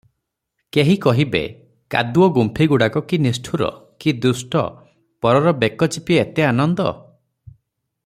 କେହି କହିବେ, କାଦୁଅଗୁମ୍ଫିଗୁଡ଼ାକ କି ନିଷ୍ଠୁର, କି ଦୁଷ୍ଟ, ପରର ବେକ ଚିପି ଏତେ ଆନନ୍ଦ!